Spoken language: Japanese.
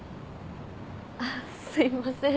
あっすいません